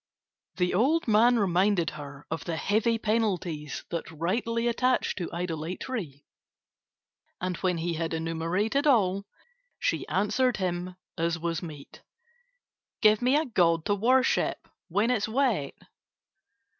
The old man reminded her of the heavy penalties that rightly attach to idolatry and, when he had enumerated all, she answered him as was meet: "Give me a god to worship when it is wet."